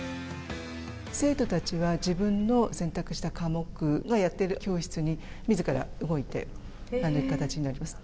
生徒たちは自分の選択した科目のやっている教室に、みずから動いていく形になります。